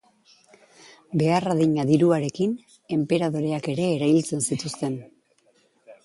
Behar adina diruarekin, enperadoreak ere erailtzen zituzten.